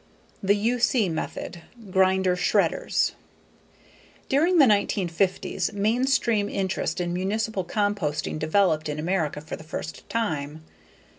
The U.C. Method Grinder/Shredders During the 1950s, mainstream interest in municipal composting developed in America for the first time.